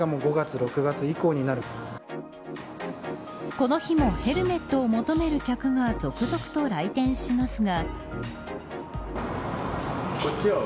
この日もヘルメットを求める客が続々と来店しますが。